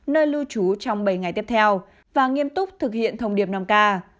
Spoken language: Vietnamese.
nơi lưu trú trong bảy ngày tiếp theo và nghiêm túc thực hiện thông điệp năm k